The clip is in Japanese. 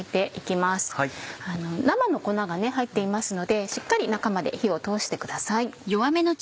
生の粉が入っていますのでしっかり中まで火を通してください。